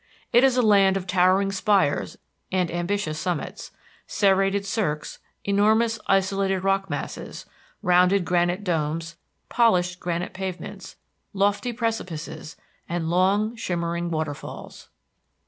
It is a land of towering spires and ambitious summits, serrated cirques, enormous isolated rock masses, rounded granite domes, polished granite pavements, lofty precipices, and long, shimmering waterfalls.